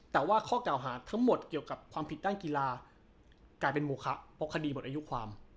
แต่ว่าข้อเก่าหาทั้งหมดเกี่ยวกับความผิดด้านกีฬากลายเป็นโมคะเพราะคดีหมดอายุความ